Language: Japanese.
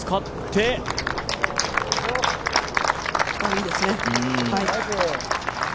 いいですね。